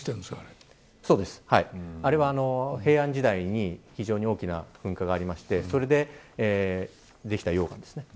あれは、平安時代に非常に大きな噴火があってそれでできた溶岩です。